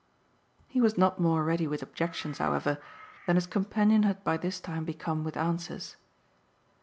He was not more ready with objections, however, than his companion had by this time become with answers.